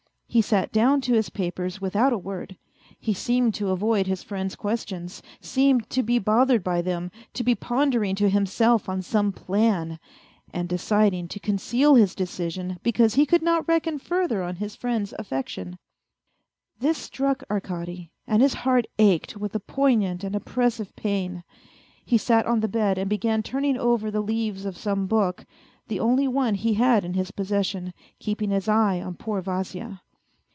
He sat down to his papers without a word He 190 A FAINT HEART seemed to avoid his friend's questions, seemed to be bothered by them, to be pondering to himself on some plan, and deciding to conceal his decision, because he could not reckon further on his friend's affection. This struck Arkady, and his heart ached with a poignant and oppressive pain. He sat on the bed and began turning over the leaves of some book, the only one he had in his possession, keeping his eye on poor Vasya.